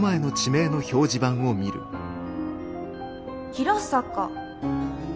「平坂」。